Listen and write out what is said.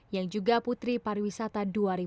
yang juga putri pariwisata dua ribu lima belas